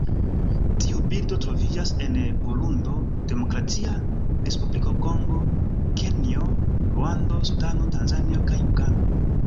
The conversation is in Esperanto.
Tiu birdo troviĝas en Burundo, Demokratia Respubliko Kongo, Kenjo, Ruando, Sudano, Tanzanio kaj Ugando.